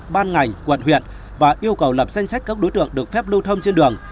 ban ngành quận huyện và yêu cầu lập danh sách các đối tượng được phép lưu thông trên đường